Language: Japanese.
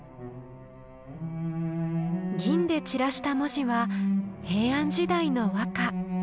銀で散らした文字は平安時代の和歌。